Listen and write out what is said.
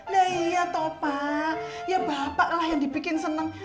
lah iya toh pak ya bapaklah yang dibikin seneng